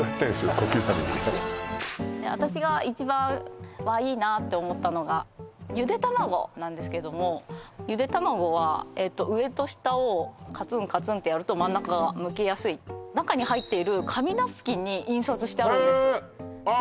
小刻みに私が一番わあいいなって思ったのがゆで卵なんですけどもゆで卵は上と下をカツンカツンってやると真ん中がむきやすい中に入っている紙ナプキンに印刷してあるんですよああ